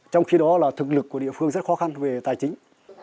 trong khi đó là thực lực của địa phương rất khó khăn về tài chính